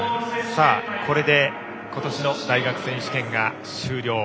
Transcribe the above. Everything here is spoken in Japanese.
これで今年の大学選手権が終了。